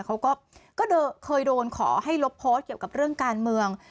เขาก็เคยโดนขอให้ลบโพสต์เกี่ยวกับเรื่องการเมือง